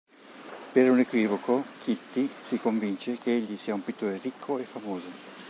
Per un equivoco, Kitty si convince che egli sia un pittore ricco e famoso.